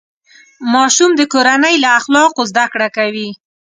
ماشوم د کورنۍ له اخلاقو زده کړه کوي.